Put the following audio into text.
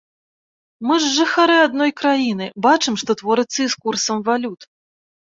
Мы ж жыхары адной краіны, бачым, што творыцца і з курсам валют.